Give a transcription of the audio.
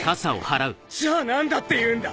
じゃあ何だっていうんだ